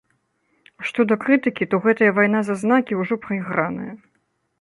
А што да крытыкі, то гэтая вайна за знакі ўжо прайграная.